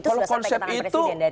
kalau konsep itu